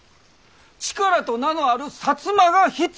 力と名のある摩が必要なんや。